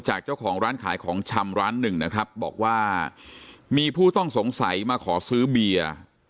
จากเจ้าของร้านขายของชำร้านหนึ่งนะครับบอกว่ามีผู้ต้องสงสัยมาขอซื้อเบียร์